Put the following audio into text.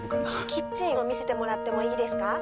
キッチンを見せてもらってもいいですか？